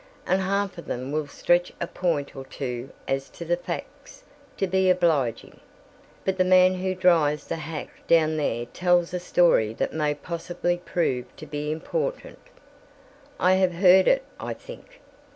And half of them will stretch a point or two as to facts, to be obliging. But the man who drives the hack down there tells a story that may possibly prove to be important." "I have heard it, I think.